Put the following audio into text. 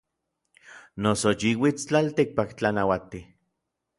Noso yi uits n tlaltikpak tlanauatij.